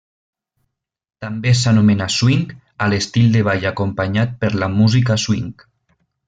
També s'anomena swing a l'estil de ball acompanyat per la música swing.